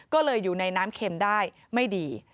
ก็เลยอยู่ในน้ำเข็มได้ไม่ดี